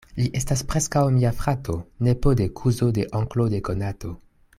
Li estas preskaŭ mia frato: nepo de kuzo de onklo de konato.